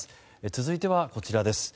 続いてはこちらです。